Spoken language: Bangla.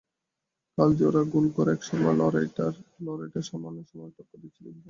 কাল জোড়া গোল করে একসময় লড়াইটায় সমানে সমানে টক্কর দিচ্ছিলেন ইব্রা।